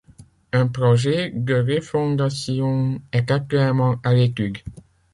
Un projet de refondation est actuellement à l’étude.